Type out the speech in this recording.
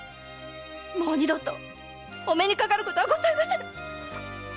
もう二度とお目にかかることはございませぬ！